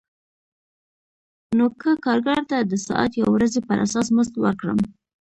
نو که کارګر ته د ساعت یا ورځې پر اساس مزد ورکړم